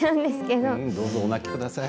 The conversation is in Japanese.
どんどんお泣きください。